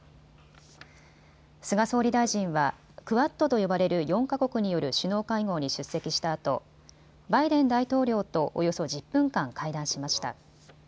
菅総理大臣はクアッドと呼ばれる４か国による首脳会合に出席したあとバイデン大統領とおよそ１０分間会談しました。